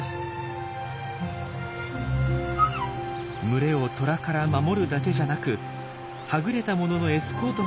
群れをトラから守るだけじゃなくはぐれた者のエスコートまでするとは。